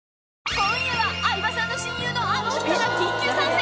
今夜は相葉さんの親友のあの人が緊急参戦。